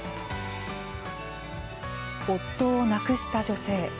夫を亡くした女性。